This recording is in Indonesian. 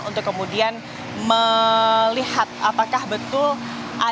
untuk kemudian melihat apakah betul ada